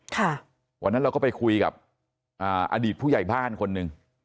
ค่ะวันนั้นเราก็ไปคุยกับอ่าอดีตผู้ใหญ่บ้านคนหนึ่ง